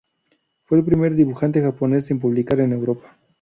Fue el primer dibujante japones en publicar en Europa.